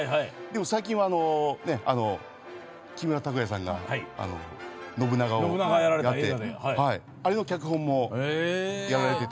最近は木村拓哉さんが信長をやってあれの脚本も、やられてて。